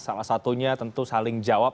salah satunya tentu saling jawab